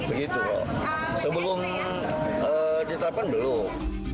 begitu sebelum ditetapkan belum